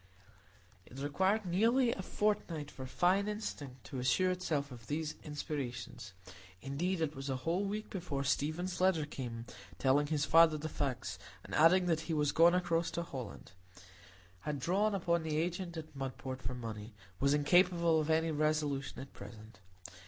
It required nearly a fortnight for fine instinct to assure itself of these inspirations; indeed, it was a whole week before Stephen's letter came, telling his father the facts, and adding that he was gone across to Holland,—had drawn upon the agent at Mudport for money,—was incapable of any resolution at present.